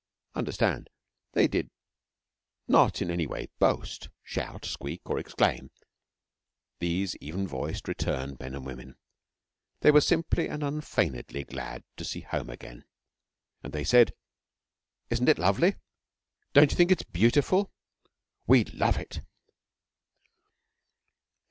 Understand, they did not in any way boast, shout, squeak, or exclaim, these even voiced returned men and women. They were simply and unfeignedly glad to see home again, and they said: 'Isn't it lovely? Don't you think it's beautiful? We love it.'